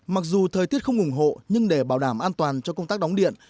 mặc dù thời tiết không ủng hộ nhưng để bảo đảm an toàn cho công tác đóng điện